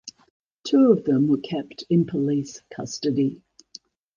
Two of them were kept in police custody.